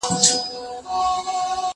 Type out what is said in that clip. زه بايد ليک ولولم!.